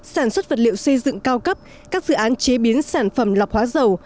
sản xuất vật liệu xây dựng cao cấp các dự án chế biến sản phẩm lọc hóa dầu